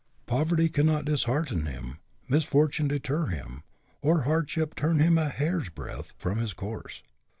Poverty cannot dishearten him, misfortune deter him, or hardship turn him a hair's breadth from his course.